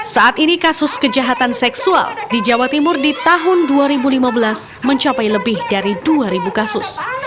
saat ini kasus kejahatan seksual di jawa timur di tahun dua ribu lima belas mencapai lebih dari dua kasus